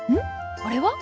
これは？